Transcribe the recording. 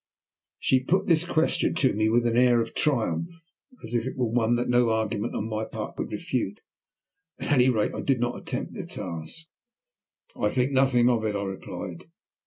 She put this question to me with an air of triumph, as if it were one that no argument on my part could refute. At any rate, I did not attempt the task. "I think nothing of it," I replied.